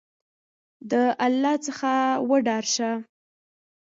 د الله څخه وډار شه !